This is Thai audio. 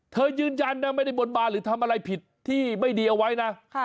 ยืนยันนะไม่ได้บนบานหรือทำอะไรผิดที่ไม่ดีเอาไว้นะ